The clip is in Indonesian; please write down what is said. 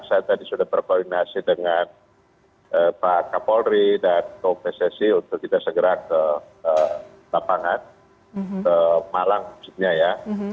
saya tadi sudah berkoordinasi dengan pak kapolri dan pssi untuk kita segera ke lapangan ke malang khususnya ya